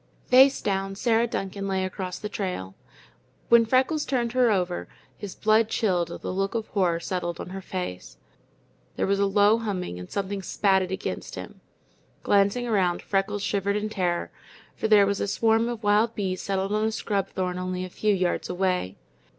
Face down, Sarah Duncan lay across the trail. When Freckles turned her over, his blood chilled at the look of horror settled on her face. There was a low humming and something spatted against him. Glancing around, Freckles shivered in terror, for there was a swarm of wild bees settled on a scrub thorn only a few yards away.